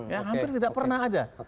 yang hampir tidak pernah ada